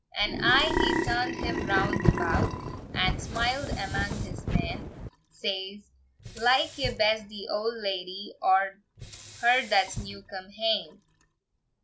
And aye he turn'd him round about, And smiled amang his men; Says, "Like ye best the old ladye, Or her that's new come hame?"